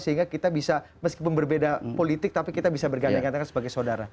sehingga kita bisa meskipun berbeda politik tapi kita bisa berganda sebagai saudara